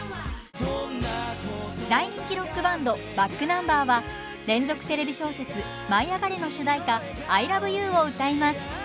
大人気ロックバンドｂａｃｋｎｕｍｂｅｒは連続テレビ小説「舞いあがれ！」の主題歌「アイラブユー」を歌います。